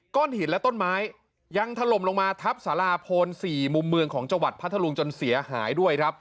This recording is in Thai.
ก้อนหินและต้นไม้ยังทะลุมลงมาทับสาราโพนสี่มุมเมืองของจวัดพระธรรมจนเสียหายด้วยครับ